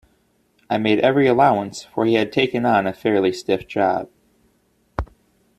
I made every allowance, for he had taken on a fairly stiff job.